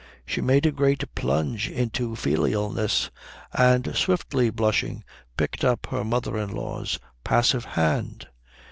She made a great plunge into filialness and, swiftly blushing, picked up her mother in law's passive hand.